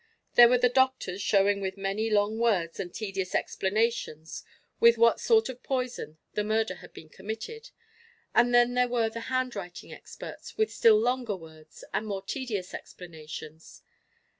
There were the doctors, showing with many long words and tedious explanations, with what sort of poison the murder had been committed; and then there were the handwriting experts, with still longer words and more tedious explanations.